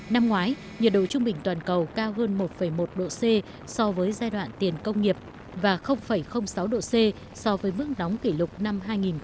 năm ngoái nhiệt độ trung bình toàn cầu cao hơn một một độ c so với giai đoạn tiền công nghiệp và sáu độ c so với mức nóng kỷ lục năm hai nghìn một mươi tám